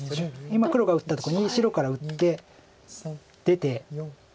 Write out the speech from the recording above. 今黒が打ったとこに白から打って出て。